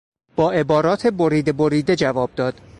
با عبارات بریده بریده جواب داد.